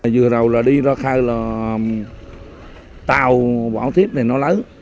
vừa đầu là đi ra khai là tàu vỏ thép này nó lấy